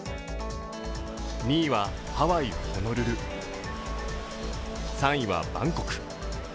２位はハワイ・ホノルル、３位はバンコク。